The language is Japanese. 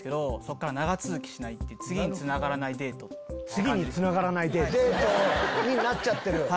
次につながらないデート？になっちゃってる。